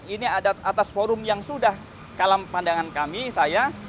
ini ada atas forum yang sudah dalam pandangan kami saya